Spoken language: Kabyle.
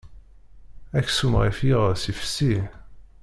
Aksum ɣef yiɣes yefsi.